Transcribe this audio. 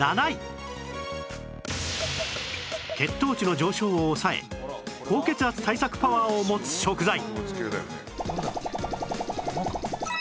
血糖値の上昇を抑え高血圧対策パワーを持つ食材